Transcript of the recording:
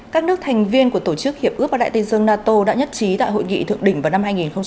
các nước thành viên của tổ chức hiệp ước và đại tên dương nato đã nhất trí tại hội nghị thượng đỉnh vào năm hai nghìn một mươi bốn